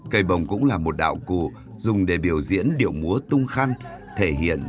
cây bồng cũng là một đạo cụ dùng để biểu diễn điệu múa tung khăn